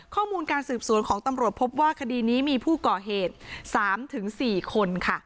ข้อมูลการสืบสวนของตำรวจพบว่าคดีนี้มีผู้ก่อเหตุ๓๔คนค่ะ